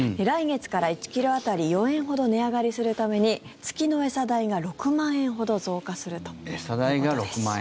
来月から１ｋｇ当たり４円ほど値上がりするために月の餌代が６万円ほど増加するということです。